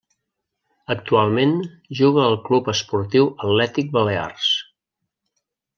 Actualment juga al Club Esportiu Atlètic Balears.